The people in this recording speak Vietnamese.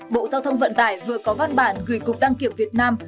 bộ giao thông vận tải vừa có văn bản gửi cục đăng kiểm việt nam